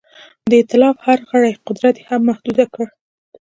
د ایتلاف د هر غړي قدرت یې هم محدود کړ.